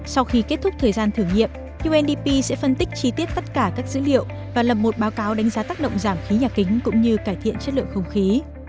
sau khi kết thúc thời gian thử nghiệm undp sẽ phân tích chi tiết tất cả các dữ liệu và lầm một báo cáo đánh giá tác động giảm khí nhà kính cũng như cải thiện chất lượng không khí